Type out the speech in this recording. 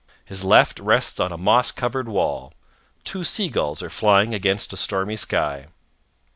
His left rests on a moss covered wall. Two sea gulls are flying against a stormy sky.